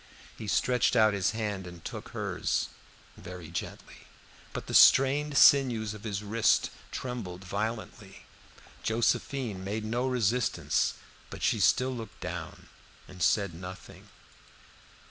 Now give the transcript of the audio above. He stretched out his hand and took hers, very gently, but the strained sinews of his wrist trembled violently. Josephine made no resistance, but she still looked down and said nothing.